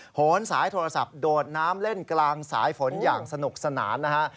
โหนสายโทรศัพท์โดดน้ำเล่นกลางสายฝนอย่างสนุกสนานนะฮะ